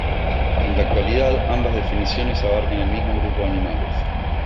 En la actualidad, ambas definiciones abarcan el mismo grupo de animales.